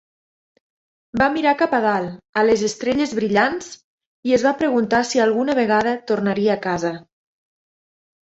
Va mirar cap a dalt, a les estrelles brillants, i es va preguntar si alguna vegada tornaria a casa.